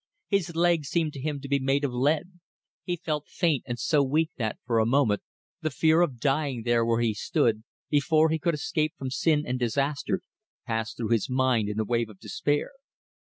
His legs seemed to him to be made of lead. He felt faint and so weak that, for a moment, the fear of dying there where he stood, before he could escape from sin and disaster, passed through his mind in a wave of despair.